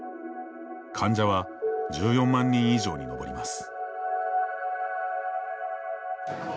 患者は１４万人以上に上ります。